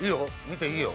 見ていいよ。